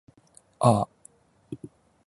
ああ